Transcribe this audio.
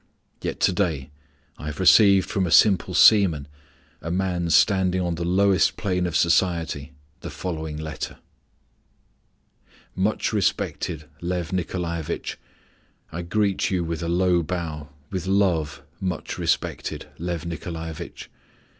Yet to day I have received from a simple seaman, a man standing on the lowest plane of society, the following letter: "Much respected Lyof Nikolaevitch, I greet you with a low bow, with love, much respected Lyof Nikolaevitch.